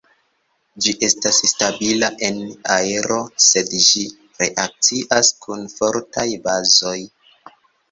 Ĝi estas stabila en aero sed ĝi reakcias kun fortaj bazoj.